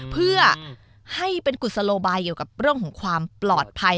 เพื่อให้เป็นกุศโลบายเกี่ยวกับเรื่องของความปลอดภัย